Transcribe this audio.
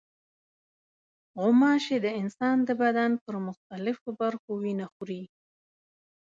غوماشې د انسان د بدن پر مختلفو برخو وینه خوري.